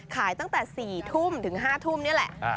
ขายตั้งแต่๔๕ทุ่มนี่แหละ